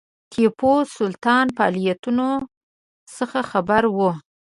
ټیپو سلطان فعالیتونو څخه خبر وو.